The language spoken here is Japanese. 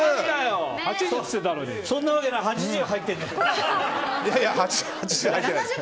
そんなわけないよ８０入ってるよ。